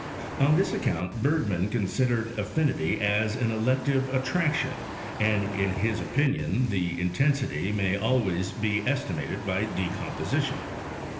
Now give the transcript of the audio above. On this account Bergman considered affinity as an elective Utlraction, and iik his opinion the intensity may al irays be estimated by decomposition.